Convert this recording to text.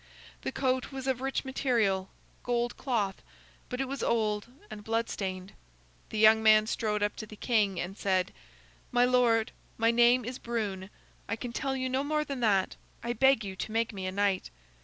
The coat was of rich material, gold cloth, but it was old and blood stained. The young man strode up to the king and said: "My lord, my name is Brune. I can tell you no more than that. I beg you to make me a knight."